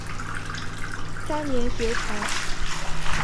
三年学成。